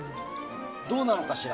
どうなのかしら？